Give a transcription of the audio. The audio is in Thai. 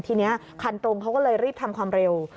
ทีนี้คันตรงเขาก็เลยรีบทำความเร็ว